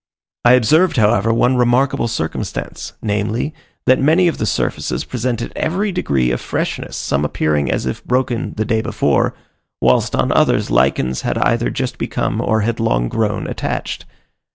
I observed, however, one remarkable circumstance, namely, that many of the surfaces presented every degree of freshness some appearing as if broken the day before, whilst on others lichens had either just become, or had long grown, attached.